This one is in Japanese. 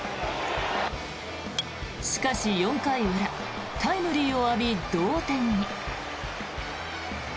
しかし、４回裏タイムリーを浴び、同点に。